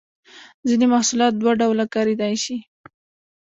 ځینې محصولات دوه ډوله کاریدای شي.